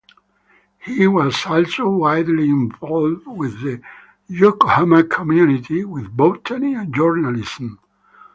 He was also widely involved with the Yokohama community, with botany, and journalism.